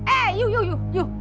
eh kamu yuk yuk yuk